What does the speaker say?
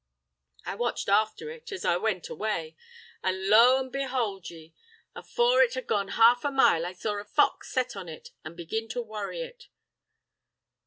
I watched after it, as it went away, an' lo an' behould ye, afore it had gone half a mile I saw a fox set on it, and begin to worry it.